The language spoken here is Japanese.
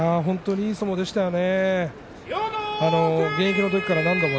いい相撲でしたね。